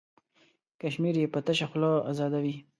کشمیر یې په تشه خوله ازادوي.